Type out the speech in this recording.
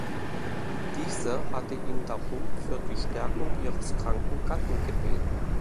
Diese hatte ihn darum für die Stärkung ihres kranken Gatten gebeten.